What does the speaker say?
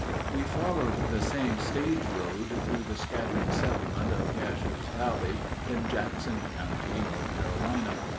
We followed the same stage road through the scattering settlement of Casher's Valley in Jackson County, North Carolina.